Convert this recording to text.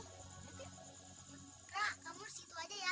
kak kamu harus itu aja ya